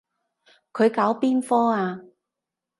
佢搞邊科啊？